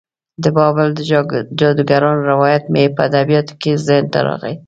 د بابل د جادوګرانو روایت مې په ادبیاتو کې ذهن ته راغی.